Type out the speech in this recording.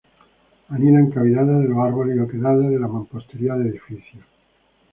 Anida en cavidades de los árboles y oquedades de la mampostería de edificios.